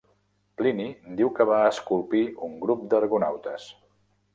Plini diu que va esculpir un grup d'argonautes.